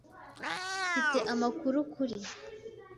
Mfite amakuru kuri .